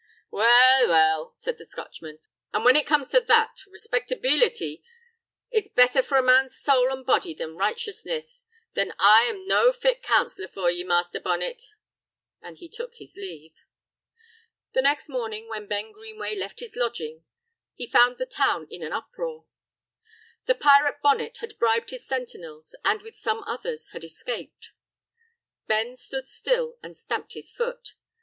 "Weel, weel," said the Scotchman; "an' when it comes that respectabeelity is better for a man's soul an' body than righteousness, then I am no fit counsellor for ye, Master Bonnet," and he took his leave. The next morning, when Ben Greenway left his lodging he found the town in an uproar. The pirate Bonnet had bribed his sentinels and, with some others, had escaped. Ben stood still and stamped his foot.